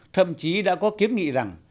thậm chí đã có kiến nghị rằng